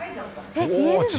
えっ言えるの？